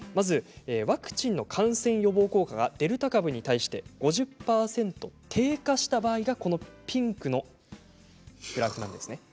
ワクチンの感染予防効果がデルタ株に対して５０％低下した場合がピンクのグラフです。